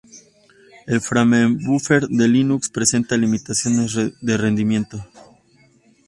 El framebuffer de Linux presenta limitaciones de rendimiento.